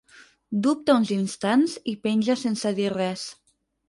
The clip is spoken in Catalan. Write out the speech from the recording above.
Dubta uns instants i penja sense dir res.